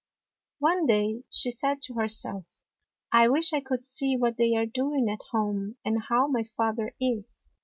One day she said to herself, '' I wish I could see what they are doing at home, and how my father is."